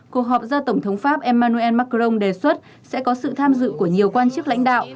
cuộc họp do tổng thống pháp emmanuel macron đề xuất sẽ có sự tham dự của nhiều quan chức lãnh đạo